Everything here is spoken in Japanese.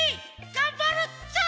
がんばるぞ！